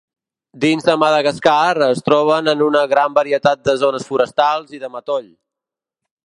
Dins de Madagascar, es troben en una gran varietat de zones forestals i de matoll.